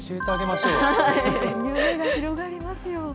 夢が広がりますよ。